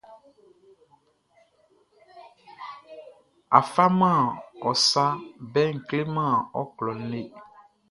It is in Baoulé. A faman ɔ sa bɛʼn kleman ɔ klɔʼn le.